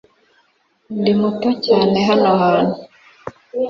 Ndi muto cyane hano hantu